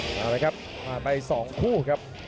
มาเลยครับมาไป๒คู่ครับ